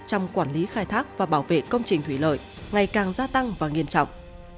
trong quản lý khai thác và bảo vệ công trình thủy lợi ngày càng gia tăng và nghiêm trọng